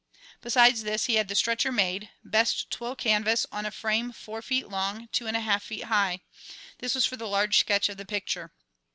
Besides this he had the stretcher made, best twill canvas on a frame four feet long, two and a half feet high. This was for the large sketch of the picture.